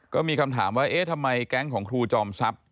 ก็มีคำถามว่าเอ๊ะทำไมแก๊งของครูจอมทรัพย์